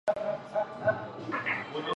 目前已废线。